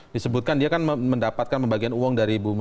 disebutkan dia kan mendapatkan pembagian uang dari ibu mustafil